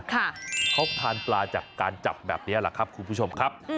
เขาทานปลาจากการจับแบบนี้แหละครับคุณผู้ชมครับ